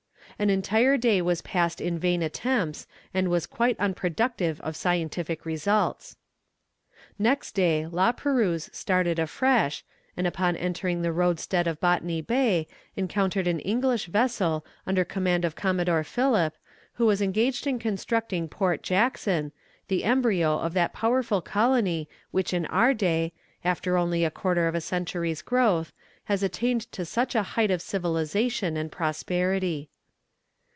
An entire day was passed in vain attempts, and was quite unproductive of scientific results. Next day La Perouse started afresh, and upon entering the roadstead of Botany Bay encountered an English vessel, under command of Commodore Phillip, who was engaged in constructing Port Jackson, the embryo of that powerful colony which in our day, after only a quarter of a century's growth, has attained to such a height of civilization and prosperity.